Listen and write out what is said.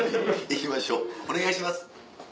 いきましょうお願いします。